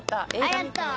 ありがとう。